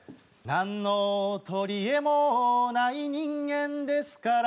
「何の取り柄もない人間ですから」